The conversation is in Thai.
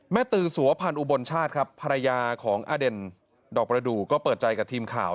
ตือสุวพันธ์อุบลชาติครับภรรยาของอเด่นดอกประดูกก็เปิดใจกับทีมข่าว